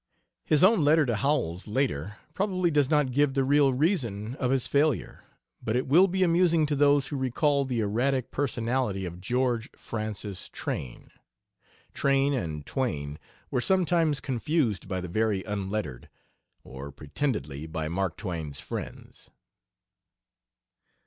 His own letter to Howells, later, probably does not give the real reason of his failure, but it will be amusing to those who recall the erratic personality of George Francis Train. Train and Twain were sometimes confused by the very unlettered; or pretendedly, by Mark Twain's friends.